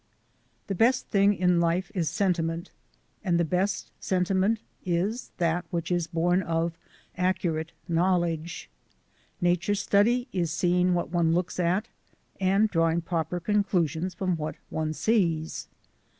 THE best thing in life is sentiment, and the best sentiment is that which is bom of accurate knowledge. Nature Study is seeing what one looks at and draw ing proper conclusions from what one sees.